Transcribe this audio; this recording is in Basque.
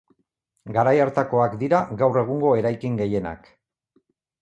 Garai hartakoak dira gaur egungo eraikin gehienak.